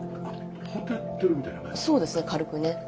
そうですね軽くね。